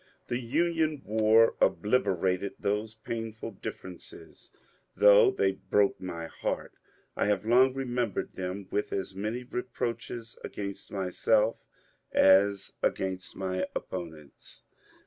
The Union war obliter ated those painful differences. Though they broke my heart, I have long remembered them with as many reproaches against myself as against my opponents.